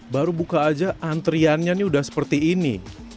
baru buka aja antriannya nih udah seperti ini